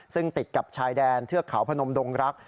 ซึ่งติดกับชายแดนเทือกเขาพนมดงรัก